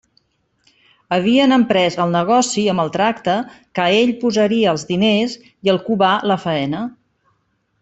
Havien emprès el negoci amb el tracte que ell posaria els diners i el Cubà la faena.